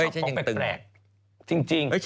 จริงหรอ